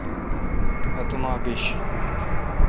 اتوما بش۔